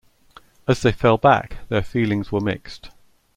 As they fell back, their feelings were mixed.